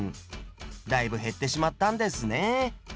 だいぶ減ってしまったんですね。